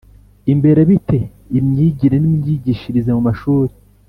imbere bite imyigire n’imyigishirize mu mashuri?